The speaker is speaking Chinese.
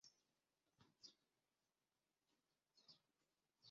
他将骨头运回哈登菲尔德的住家中展示。